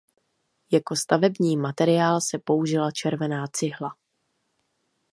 Jako stavební materiál se použila červená cihla.